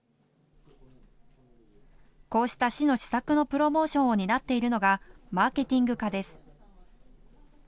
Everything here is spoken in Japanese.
こうした、市の施策のプロモーションを担っているのがマーケティング課です。